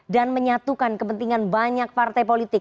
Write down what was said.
dan menyatukan kepentingan banyak partai politik